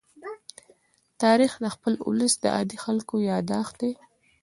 تاریخ د خپل ولس د عادي خلکو يادښت دی.